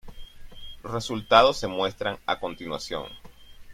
Los resultados se muestran a continuación.